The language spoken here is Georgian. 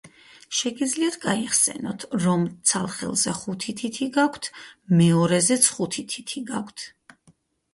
შეგიძლიათ გაიხსენოთ, რომ ცალ ხელზე ხუთი თითი გაქვთ, მეორეზეც ხუთი თითი გაქვთ.